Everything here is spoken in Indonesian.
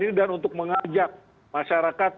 ini dan untuk mengajak masyarakat